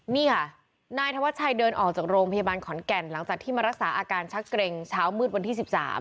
นี่ค่ะนายธวัชชัยเดินออกจากโรงพยาบาลขอนแก่นหลังจากที่มารักษาอาการชักเกร็งเช้ามืดวันที่๑๓